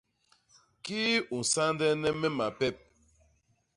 Kii u nsañdene me mapep?